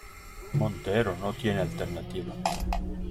montero, no tiene alternativa.